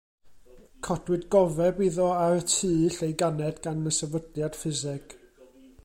Codwyd cofeb iddo ar y tŷ lle'i ganed gan y Sefydliad Ffiseg.